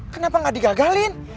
kenapa gak digagalin